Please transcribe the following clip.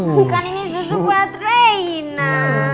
bukan ini susu buat reina